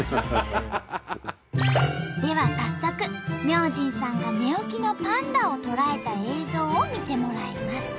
では早速明神さんが寝起きのパンダを捉えた映像を見てもらいます。